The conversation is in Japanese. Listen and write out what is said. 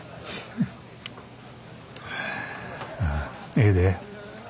ええで。